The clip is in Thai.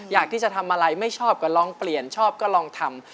อยากที่จะทำอะไรไม่ชอบก็ลองเปลี่ยนชอบก็ลองทำ